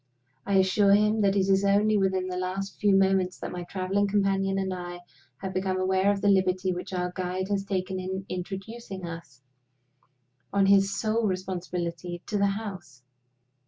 I assure him that it is only within the last few moments that my traveling companion and I have become aware of the liberty which our guide has taken in introducing us, on his own sole responsibility, to the house.